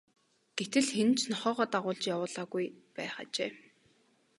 Гэтэл хэн нь ч нохойгоо дагуулж явуулаагүй байх ажээ.